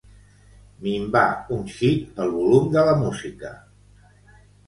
Minvar un xic el volum de la música.